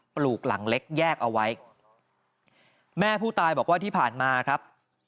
ปลูกหลังเล็กแยกเอาไว้แม่ผู้ตายบอกว่าที่ผ่านมาครับ